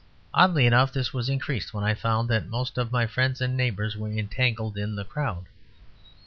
Oddly enough, this was increased when I found that most of my friends and neighbours were entangled in the crowd.